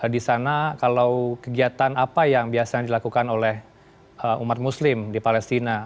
di sana kalau kegiatan apa yang biasanya dilakukan oleh umat muslim di palestina